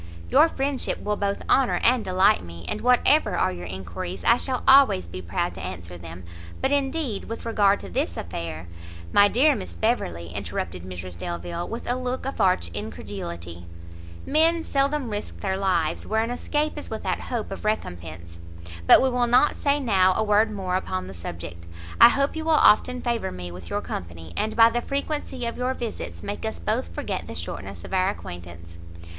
"Your friendship will both honour and delight me, and whatever are your enquiries, I shall always be proud to answer them; but indeed, with regard to this affair " "My dear Miss Beverley," interrupted Mrs Delvile, with a look of arch incredulity, "men seldom risk their lives where an escape is without hope of recompence. But we will not now say a word more upon the subject. I hope you will often favour me with your company, and by the frequency of your visits, make us both forget the shortness of our acquaintance."